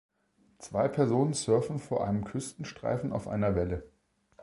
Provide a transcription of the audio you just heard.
Zwei Personen surfen vor einem Küstenstreifen auf einer Welle.